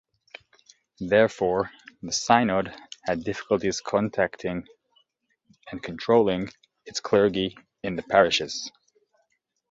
Therefore, the Synod had difficulties contacting and controlling its clergy in the parishes.